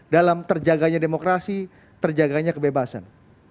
dalam terjaganya demokrasi terjaganya kebebasan